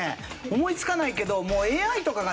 思いつかないけどもうＡＩとかが。